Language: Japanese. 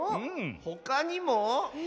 ほかにも？